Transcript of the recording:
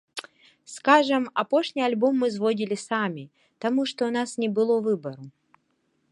Скажам, апошні альбом мы зводзілі самі, таму што ў нас не было выбару.